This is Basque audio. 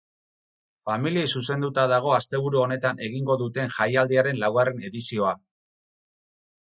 Familiei zuzenduta dago asteburu honetan egingo duten jaialdiaren laugarren edizioa.